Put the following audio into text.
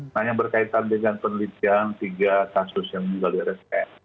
nah yang berkaitan dengan penelitian tiga kasus yang juga di rsk